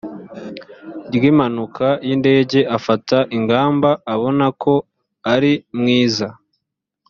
ry impanuka y indege afata ingamba abona ko ari mwiza